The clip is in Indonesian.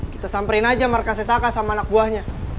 kita samperin aja sama rekan sesaka sama anak buahnya